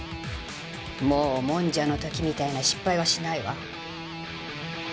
もうもんじゃの時みたいな失敗はしないわ。